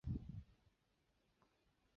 中国的连载小说始于十九世纪晚期。